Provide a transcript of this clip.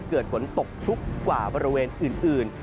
เกิดฝนตกชุกกว่าบริเวณอื่น